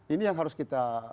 ini yang harus kita